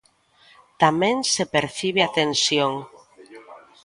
Tamén se percibe a tensión.